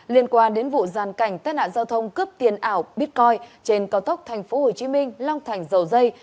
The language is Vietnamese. liên quan đến vụ giàn cảnh tết nạn giao thông cướp tiền ảo bitcoin trên cao tốc tp hcm long thành dầu dây